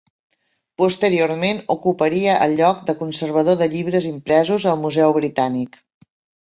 Posteriorment ocuparia el lloc de conservador de llibres impresos al Museu Britànic.